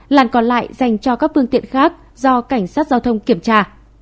làn còn lại dành cho các phương tiện khác do cảnh sát giao thông kiểm tra